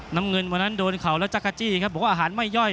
น้ำเงินวันนั้นโดนเขาแล้วจั๊กจริยคืออาหารไม่ย่อย